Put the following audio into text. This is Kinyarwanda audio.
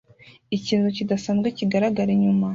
Ikintu kidasanzwe kiragaragara inyuma